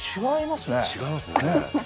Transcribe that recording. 違いますね。